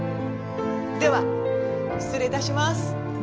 では失礼いたします。